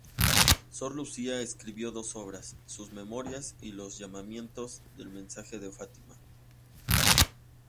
Sor Lucía escribió dos obras: sus "Memorias" y los "Llamamientos del mensaje de Fátima".